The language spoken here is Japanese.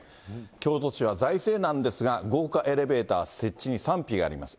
京都市は財政難ですが、豪華エレベーター設置に賛否があります。